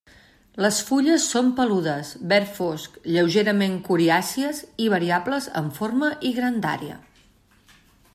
Les fulles són peludes, verd fosc, lleugerament coriàcies i variables en forma i grandària.